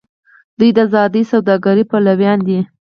دوی د ازادې سوداګرۍ پلویان دي.